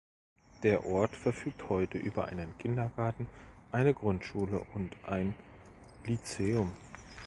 Der Ort verfügt heute über einen Kindergarten, eine Grundschule und ein Lyzeum.